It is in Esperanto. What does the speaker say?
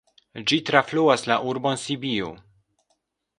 Ĝi trafluas la urbon Sibiu.